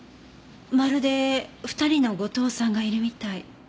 まるで２人の後藤さんがいるみたい。